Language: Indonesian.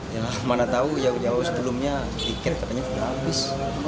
ya mana tahu jauh jauh sebelumnya pikir katanya sudah habis